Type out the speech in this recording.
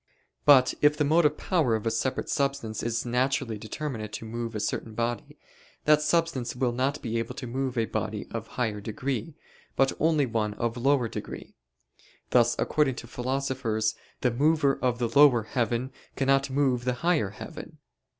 But if the motive power of a separate substance is naturally determinate to move a certain body, that substance will not be able to move a body of higher degree, but only one of lower degree: thus according to philosophers the mover of the lower heaven cannot move the higher heaven.